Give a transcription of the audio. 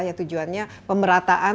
ya tujuannya pemerataan